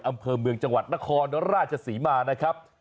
อำเภอเมืองจังหวัดนครราชศรีมานะครับ